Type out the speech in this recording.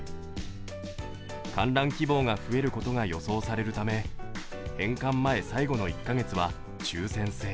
観覧希望が増えることが予想されるため、返還前最後の１か月は抽選制。